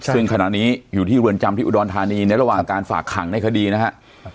ซึ่งขณะนี้อยู่ที่เรือนจำที่อุดรธานีในระหว่างการฝากขังในคดีนะครับ